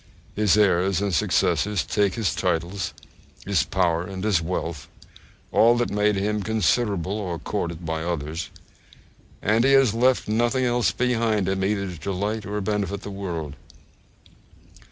His heirs and successors take his titles, his power, and his wealth all that made him considerable or courted by others; and he has left nothing else behind him either to delight or benefit the world.